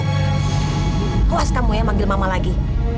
puas kamu ya manggil mama lagi